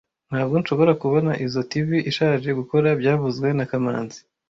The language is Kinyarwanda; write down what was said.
Ntabwo nshobora kubona izoi TV ishaje gukora byavuzwe na kamanzi